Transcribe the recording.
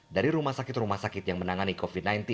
dari rumah sakit rumah sakit yang menangani covid sembilan belas